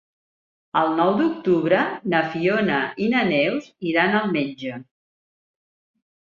El nou d'octubre na Fiona i na Neus iran al metge.